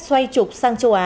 xoay trục sang châu á